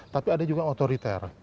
tapi ada juga otoriter